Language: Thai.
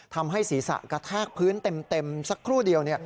ทำให้ศีรษะกระแทกพื้นเต็มสักครู่เดียว